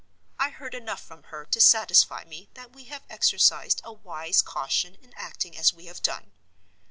I heard enough from her to satisfy me that we have exercised a wise caution in acting as we have done.